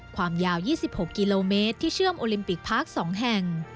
ความยาว๒๖กิโลเมตรที่เชื่อมโอลิมปิกพาร์ค๒แห่ง